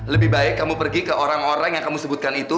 lebih baik kamu pergi ke orang orang yang kamu sebutkan itu